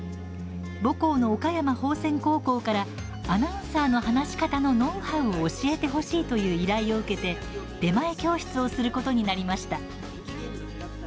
母校の岡山芳泉高校からアナウンサーの話し方のノウハウを教えてほしいという依頼を受けて出前教室をすることになりました。